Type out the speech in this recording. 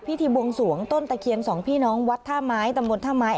พิธีบวงสวงต้นตะเคียนสองพี่น้องวัดท่าไม้ตำบลท่าไม้